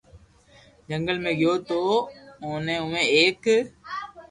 جنگل ۾ گيو تو اوني اووي ايڪ